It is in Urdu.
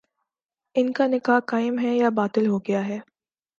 ان کا نکاح قائم ہے یا باطل ہو گیا ہے؟